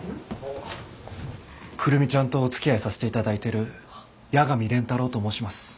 久留美ちゃんとおつきあいさせていただいてる八神蓮太郎と申します。